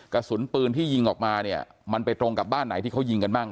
กระสุนปืนที่ยิงออกมาเนี่ยมันไปตรงกับบ้านไหนที่เขายิงกันบ้าง